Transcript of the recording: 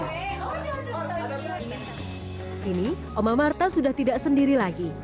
kini oma marta sudah tidak sendiri lagi